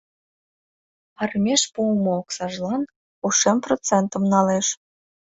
Арымеш пуымо оксажлан ушем процентым налеш.